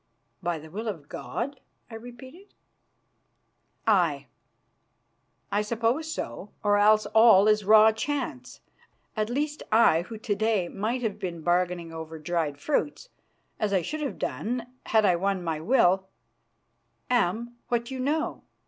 "By the will of God?" I repeated. "Aye, I suppose so, or else all is raw chance. At least, I, who to day might have been bargaining over dried fruits, as I should have done had I won my will, am what you know.